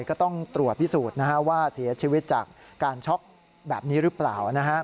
ก็ต้องตรวจพิสูจน์ว่าเสียชีวิตจากการช็อกแบบนี้หรือเปล่า